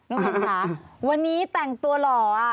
ลุงเอี่ยมคะวันนี้แต่งตัวหลอ